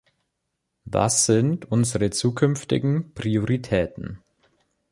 Was sind unsere zukünftigen Prioritäten?